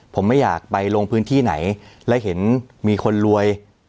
ผมไม่อยากไปลงพื้นที่ไหนและเห็นมีคนรวย